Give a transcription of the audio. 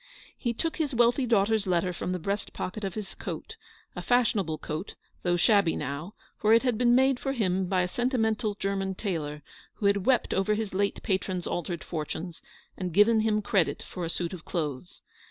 He took his wealthy daughter's letter from the breast pocket of his coat; > fashionable coat, though shabby now, for it had been made for him by a sentimental German tailor, who had wept over his late patron's altered fortunes, and given him credit for a suit of clothes.